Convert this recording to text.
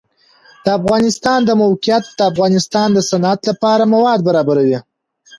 د افغانستان د موقعیت د افغانستان د صنعت لپاره مواد برابروي.